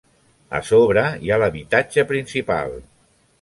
A sobre hi ha l'habitatge principal.